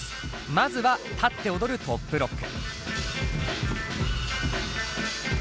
まずは立って踊るトップロック。